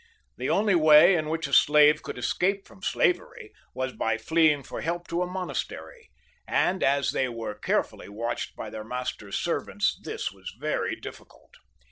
The only way in which a slave 6ould escape from slavery was by fleeing for help to a 6ionastery, and as they were care fully watched by their masters' servants, this was very difficult.